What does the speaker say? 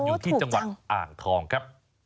อยู่ที่จังหวัดอ่างทองครับ